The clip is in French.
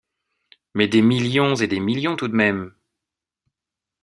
Mais des millions et des millions tout de même.